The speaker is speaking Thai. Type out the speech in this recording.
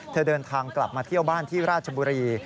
เดินทางกลับมาเที่ยวบ้านที่ราชบุรี